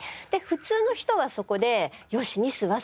普通の人はそこでよしミス